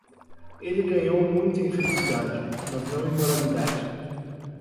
Ele ganhou muito em felicidade, mas não em moralidade.